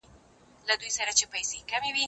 اوبه د زهشوم له خوا ورکول کيږي،